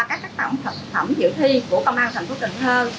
các tác phẩm dự thi của công an thành phố cần thơ